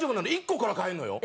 １個から買えるのよ。